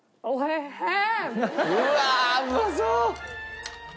うわうまそう！